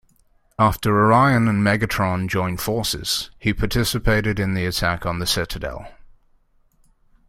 After Orion and Megatron join forces, he participated in the attack on the Citadel.